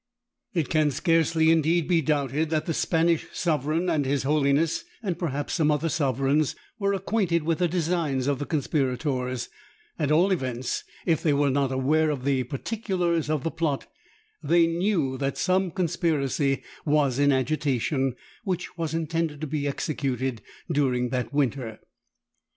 It can scarcely indeed be doubted that the Spanish sovereign, and his holiness, and perhaps some other sovereigns, were acquainted with the designs of the conspirators; at all events, if they were not aware of the particulars of the plot, they knew that some conspiracy was in agitation, which was intended to be executed during that winter.